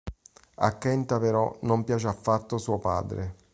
A Kenta però non piace affatto suo padre.